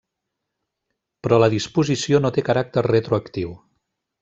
Però la disposició no té caràcter retroactiu.